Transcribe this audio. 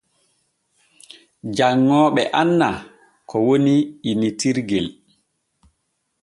Janŋooɓe anna ko woni innitirgel.